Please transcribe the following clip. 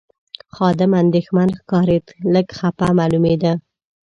خادم اندېښمن ښکارېد، لږ خپه معلومېده.